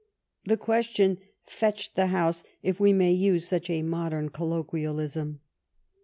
The quotation " fetched " the House, if we may use such a modern collo quialism.